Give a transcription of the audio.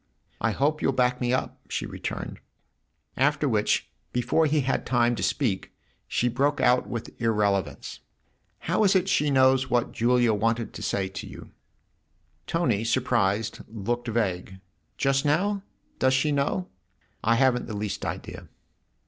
" I hope you'll back me up !" she returned ; after which, before he had time to speak, she broke out with irrelevance :" How is it she knows what Julia wanted to say to you ?" THE OTHER HOUSE 33 Tony, surprised, looked vague. " Just now ? Does she know ? I haven't the least idea."